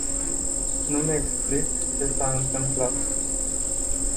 Nu-mi explic ce s-a întâmplat.